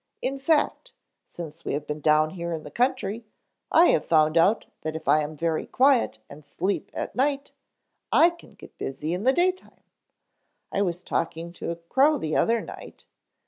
In fact, since we have been down here in the country, I have found out that if I am very quiet and sleep at night I can get busy in the daytime. I was talking to a crow the other night.